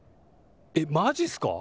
えっマジっすか！？